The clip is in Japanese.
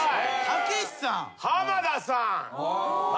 浜田さん。